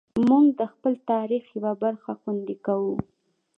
موږ د خپل تاریخ یوه برخه خوندي کوو.